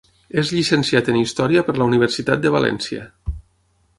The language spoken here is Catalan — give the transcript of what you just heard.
És llicenciat en Història per la Universitat de València.